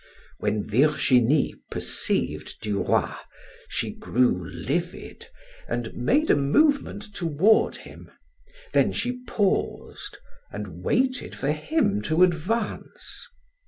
When Virginie perceived Du Roy, she grew livid and made a movement toward him; then she paused and waited for him to advance.